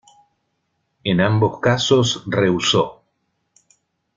En ambos casos rehusó.